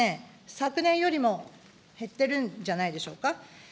昨年よりも減ってるんじゃないでしょうか。